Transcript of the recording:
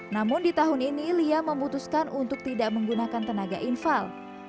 namun di tahun ini lia memutuskan untuk tidak menggunakan tenaga infal